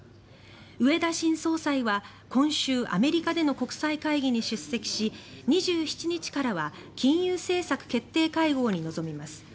植田新総裁は今週アメリカでの国際会議に出席し２７日からは金融政策決定会合に臨みます。